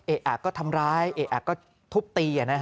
เอกแอ๊กก็ทำร้ายเอกแอ๊กก็ทุบตี